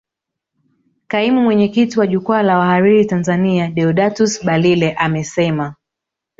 Kaimu mwenyekiti wa jukwaa la wahariri Tanzania Deodatus Balile amesema